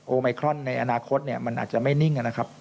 ไมครอนในอนาคตมันอาจจะไม่นิ่งนะครับ